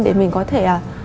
để mình có thể